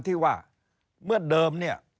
ที่ว่าเมื่อเดิม